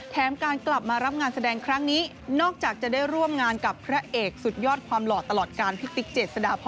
การกลับมารับงานแสดงครั้งนี้นอกจากจะได้ร่วมงานกับพระเอกสุดยอดความหล่อตลอดการพี่ติ๊กเจษฎาพร